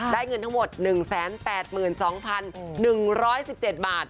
เงินทั้งหมด๑๘๒๑๑๗บาท